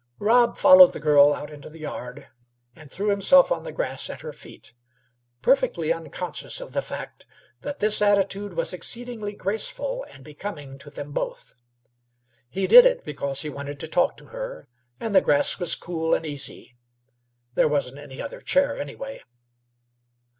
Rob followed the girl out into the yard, and threw himself on the grass at her feet, perfectly unconscious of the fact that this attitude was exceedingly graceful and becoming to them both. He did it because he wanted to talk to her, and the grass was cool and easy; there wasn't any other chair, anyway.